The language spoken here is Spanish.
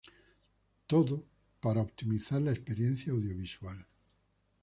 Todo para optimizar la experiencia audiovisual.